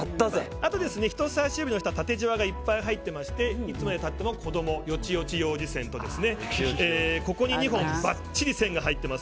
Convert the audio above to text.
あと、人差し指の下に縦じわがいっぱい入っていましていつまで経っても子供よちよち幼児線とここに２本ばっちり、線が入っています。